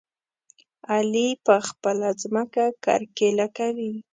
علي په خپله ځمکه کرکيله کوي.